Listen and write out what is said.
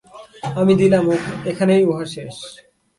আমি দিলাম, এখানেই উহা শেষ।